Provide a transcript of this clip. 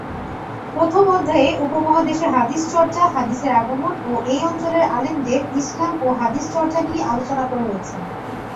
প্রথম অধ্যায়ে উপমহাদেশে হাদিস চর্চা, হাদিসের আগমন, ও এই অঞ্চলের আলেমদের ইসলাম ও হাদিস চর্চা নিয়ে আলোচনা করা হয়েছে।